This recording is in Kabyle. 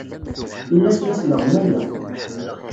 Ini-as la sleɣmayeɣ.